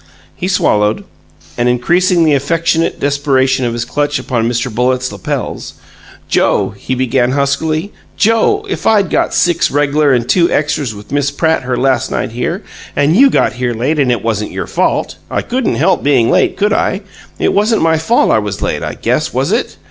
He swallowed, and, increasing the affectionate desperation of his clutch upon Mr. Bullitt's lapels, "Joe," he began, huskily "Joe, if I'd got six reg'lar and two extras with Miss Pratt her last night here, and you got here late, and it wasn't your fault I couldn't help being late, could I? It wasn't my fault I was late, I guess, was it?